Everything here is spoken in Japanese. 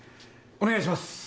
お願いします。